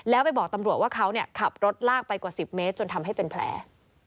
แล้วไปบอกตำรวจว่าเขาขับรถลากไปกว่า๑๐เมตรจนทำให้เป็นแผล